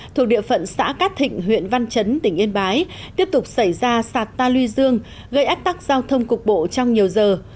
thuộc địa phận xã cát thịnh huyện văn chấn tỉnh yên bái tiếp tục xảy ra sạt ta luy dương gây ách tắc giao thông cục bộ trong nhiều giờ